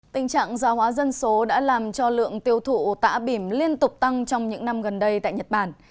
tình trạng gia hóa dân số đã làm cho lượng tiêu thụ tả bìm liên tục tăng trong những năm gần đây tại nhật bản